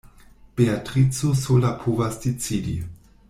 Beatrico sola povas decidi.